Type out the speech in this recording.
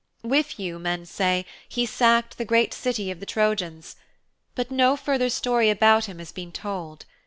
With you, men say, he sacked the great City of the Trojans. But no further story about him has been told.